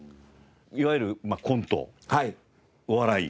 いわゆるコントお笑い